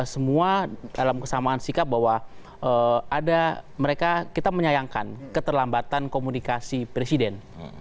semua dalam kesamaan sikap bahwa ada mereka kita menyayangkan keterlambatan komunikasi presiden